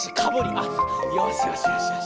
あっよしよしよしよし。